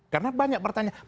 karena banyak pertanyaan